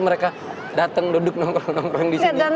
mereka datang duduk nongkrong nongkrong disini